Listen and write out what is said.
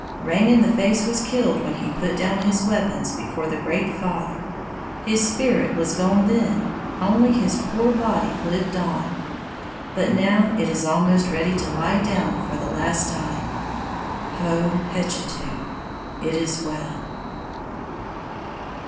Rain in the Face was killed when he put down his weapons before the Great Father. His spirit was gone then; only his poor body lived on, but now it is almost ready to lie down for the last time. Ho, hechetu! [It is well.